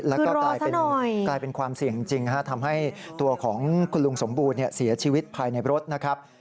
แล้วก็กลายเป็นความเสี่ยงจริงทำให้ตัวของคุณลุงสมบูรณ์เสียชีวิตภายในรถนะครับ